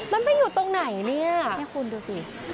มันไปอยู่ตรงไหนเนี่ยคุณดูสิ